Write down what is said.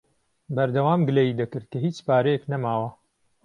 بەردەوام گلەیی دەکرد کە هیچ پارەیەک نەماوە.